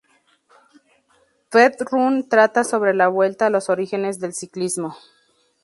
Tweed run trata sobre la vuelta a los orígenes del ciclismo.